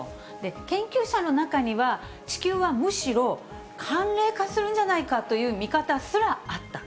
研究者の中には、地球はむしろ寒冷化するんじゃないかという見方すらあった。